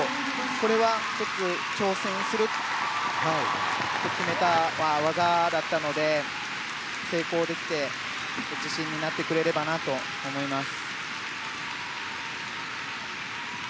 これは一つ挑戦すると決めた技だったので成功できて自信になってくれればなと思います。